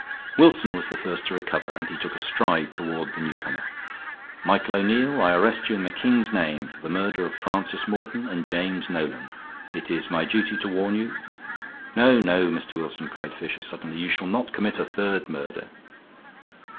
Wilson was the first to recover, and he took a stride toward the newcomer. "Michael O'Neill, I arrest you in the king's name for the murder of Francis Morton and James Nolan. It is my duty to warn you " "No, no, Mr. Wilson," cried Fisher, suddenly. "You shall not commit a third murder."